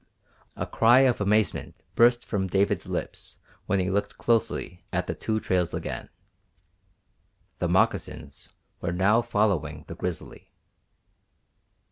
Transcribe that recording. A cry of amazement burst from David's lips when he looked closely at the two trails again. _The moccasins were now following the grizzly!